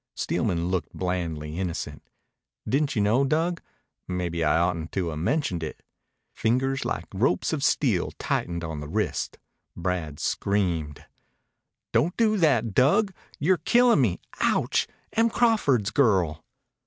Steelman looked blandly innocent. "Didn't you know, Dug? Maybe I ought n't to 'a' mentioned it." Fingers like ropes of steel tightened on the wrist, Brad screamed. "Don't do that, Dug! You're killin' me! Ouch! Em Crawford's girl."